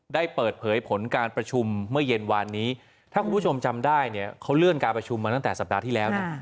ได้เปิดเผยผลการประชุมเมื่อเย็นวานนี้ถ้าคุณผู้ชมจำได้เนี่ยเขาเลื่อนการประชุมมาตั้งแต่สัปดาห์ที่แล้วนะ